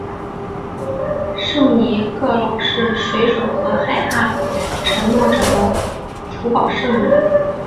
圣尼各老是水手和害怕沉没者的主保圣人。